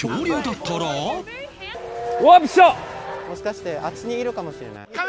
もしかしてあっちにいるかもしれない。